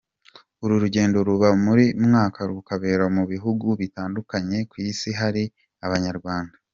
Uru rugendo ruba buri mwaka rukabera mu bihugu bitandukanye ku isi ahari Abanyarwanda.